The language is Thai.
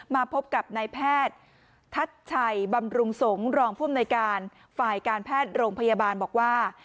มาพบกับนายแพทย์ทัชชัยบำรุงสงฆ์รองผู้อำนวยการฝ่ายการแพทย์โรงพยาบาลบอกว่า